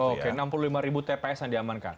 oke enam puluh lima ribu tps yang diamankan